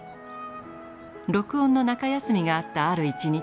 録音の中休みがあったある一日。